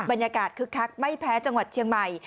บรรยากาศคึกคักไม่แพ้จังหวัดเชียงใหม่